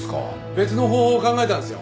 別の方法考えたんですよ。